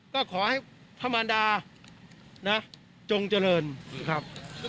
ก็ขอให้พระมารดานะจงเจริญครับ